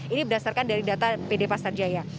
ini berdasarkan dari data pd pasar jaya